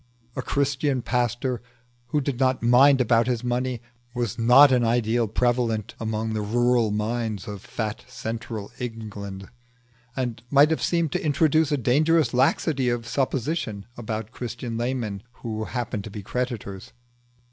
A Christian pastor who did not mind about his money was not an ideal prevalent among the rural minds of fat central England, and might have seemed to introduce a dangerous laxity of supposition about Christian laymen who happened to be creditors.